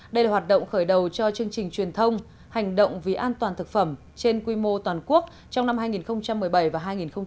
đây là hoạt động khởi đầu cho chương trình truyền thông hành động vì an toàn thực phẩm trên quy mô toàn quốc trong năm hai nghìn một mươi bảy và hai nghìn một mươi chín